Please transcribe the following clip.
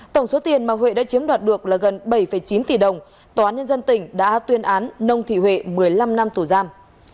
tổng số tiền mà huệ đã chiếm đoạt được là gần bảy chín tỷ đồng tòa án nhân dân tỉnh đã tuyên án nông thị huệ một mươi năm năm tù giam